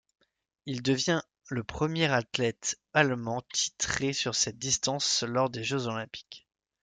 Il devient le premier athlète allemand titré sur cette distance lors des Jeux olympiques.